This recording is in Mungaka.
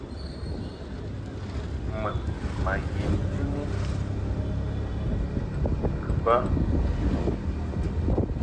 Mun ma yemti ni kɨ bə.